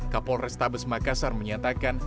kapol restabes makassar menyatakan